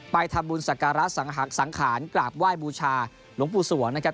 ไปทำบุญสักการะสังขารกราบไหว้บูชาหลวงปู่สวงนะครับ